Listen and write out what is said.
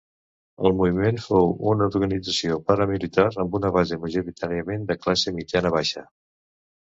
El Moviment fou una organització paramilitar amb una base majoritàriament de classe mitjana baixa.